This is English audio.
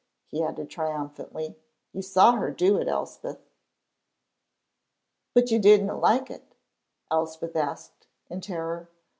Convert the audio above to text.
he added triumphantly; "you saw her do it, Elspeth!" "But you didna like it?" Elspeth asked, in terror.